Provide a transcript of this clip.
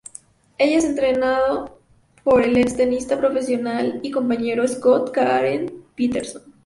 Ella es entrenado por el ex tenista profesional y compañero Scot, Karen Paterson.